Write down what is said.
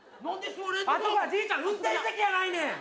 「あそこはじいちゃん運転席やないね！」